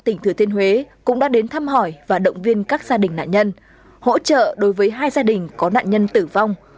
tỉnh thừa thiên huế cũng đã đến thăm hỏi và động viên các gia đình nạn nhân hỗ trợ đối với hai gia đình có nạn nhân tử vong